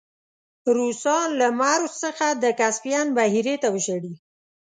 روسان له مرو څخه د کسپین بحیرې ته وشړی.